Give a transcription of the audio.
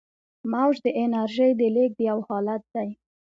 موج د انرژۍ د لیږد یو حالت دی.